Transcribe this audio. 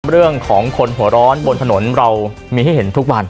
เรื่องของคนหัวร้อนบนถนนเรามีให้เห็นทุกวัน